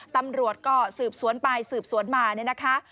ตำรวจก็สืบสวนไปสืบสวนมาเนี่ยนะคะ